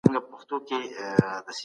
فزيکي ځواک د سياست عملي بڼه ده.